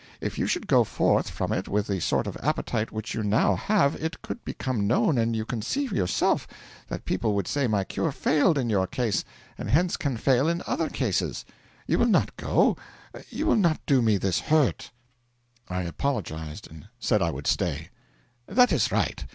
If you should go forth from it with the sort of appetite which you now have, it could become known, and you can see, yourself, that people would say my cure failed in your case and hence can fail in other cases. You will not go; you will not do me this hurt.' I apologised and said I would stay. 'That is right.